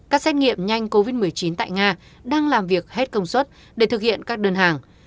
các xét nghiệm nhanh covid một mươi chín tại nga đang làm việc hết công suất để thực hiện các đơn hàng